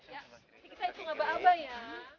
ya si kiki suka bawa abang ya